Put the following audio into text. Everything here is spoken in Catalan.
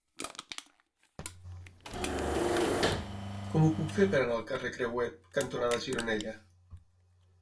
Com ho puc fer per anar al carrer Crehuet cantonada Gironella?